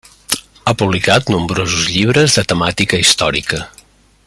Ha publicat nombrosos llibres de temàtica històrica.